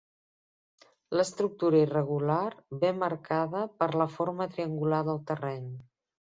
L'estructura irregular ve marcada per la forma triangular del terreny.